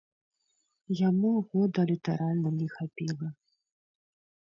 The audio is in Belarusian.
Яму года літаральна не хапіла.